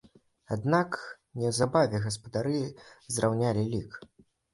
Аднак неўзабаве гаспадары зраўнялі лік.